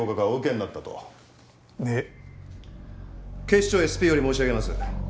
警視庁ＳＰより申し上げます。